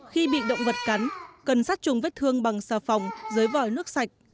khi bị động vật cắn cần sát trùng vết thương bằng xà phòng dưới vòi nước sạch